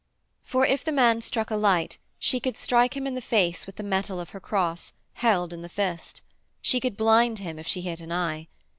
For, if the man struck a light she could strike him in the face with the metal of her cross, held in the fist; she could blind him if she hit an eye.